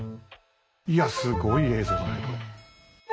いやすごい映像だねこれ。